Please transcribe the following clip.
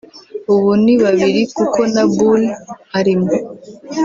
ubu ni babiri kuko na Bull arimo